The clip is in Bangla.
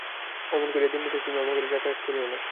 অমন করিয়া দিনরাত্রি তুমি আমার ঘরে যাতায়াত করিয়ো না।